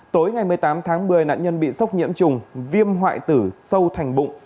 tối ngày một mươi tám tháng một mươi nạn nhân bị sốc nhiễm trùng viêm hoại tử sâu thành bụng